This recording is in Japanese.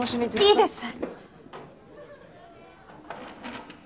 いいです！